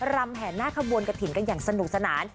รำแห่หน้าขบวนกระถิ่นกันอย่างสนุกสนาน